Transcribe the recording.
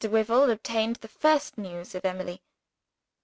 Wyvil obtained the first news of Emily.